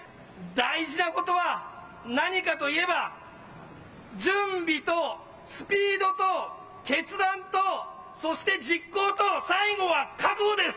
大事なことは何かと言えば、準備とスピードと決断とそして実行と最後は覚悟です。